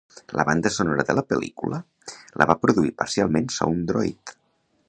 La banda sonora de la pel·lícula la va produir parcialment SoundDroid.